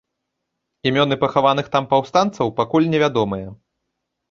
Імёны пахаваных там паўстанцаў пакуль невядомыя.